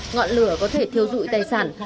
ngọn lửa có thể thiêu dụi tài sản